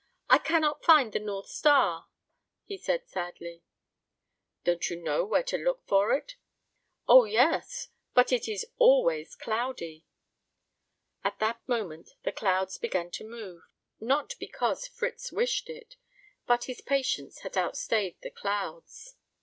"I cannot find the North Star," he said, sadly. "Don't you know where to look for it?" "Oh, yes; but it is always cloudy." At that moment the clouds began to move not because Fritz wished it, but his patience had outstayed the clouds.